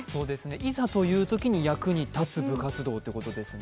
いざという時に役に立つ部活動ということですね。